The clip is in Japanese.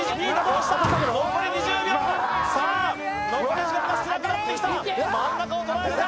残り２０秒さあ残り時間が少なくなってきた真ん中をとらえるか？